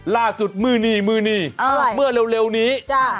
ล่าสุดมือนี่มือนี่เมื่อเร็วนี้